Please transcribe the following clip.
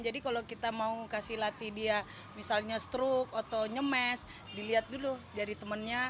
jadi kalau kita mau kasih latih dia misalnya struk atau nyemes dilihat dulu dari temannya